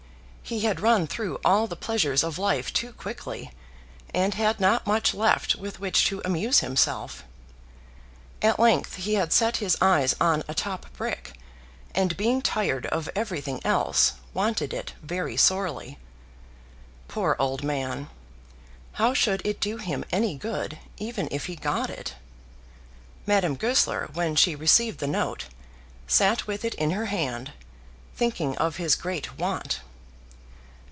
He had run through all the pleasures of life too quickly, and had not much left with which to amuse himself. At length he had set his eyes on a top brick, and being tired of everything else, wanted it very sorely. Poor old man! How should it do him any good, even if he got it? Madame Goesler, when she received the note, sat with it in her hand, thinking of his great want.